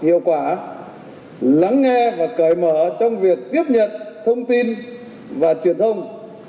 hiệu quả lắng nghe và cởi mở trong việc tiếp nhận thông tin và truyền thông